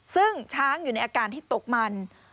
ซึ่งช้างอยู่ในอาการที่ตกมัน